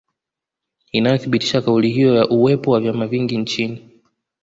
Inayothibitisha kauli hiyo ya uwepo wa vyama vingi nchini